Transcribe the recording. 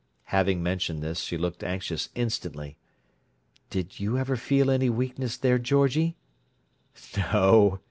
Having mentioned this, she looked anxious instantly. "Did you ever feel any weakness there, Georgie?" "No!"